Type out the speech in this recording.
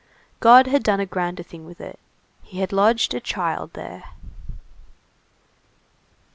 God had done a grander thing with it, he had lodged a child there.